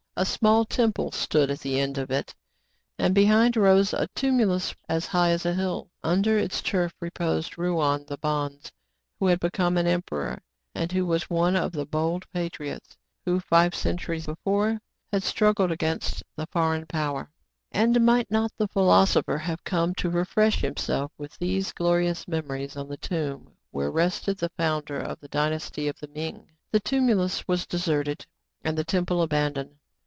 A small temple stood at the end of it, and be hind rose a " tumulus," as high as a hill. Under its turf reposed Roug On the bonze, who had be come an emperor, and who was one of the bold patriots, who, five centuries before, had struggled against the foreign power. I20 TRIBULATIONS OF A CHINAMAN, And might not the philosopher have come to refresh himself with these glorious memories on the tomb where rested the founder of the dynasty of the Ming ? The tumulus was deserted, and the temple aban doned.